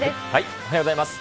おはようございます。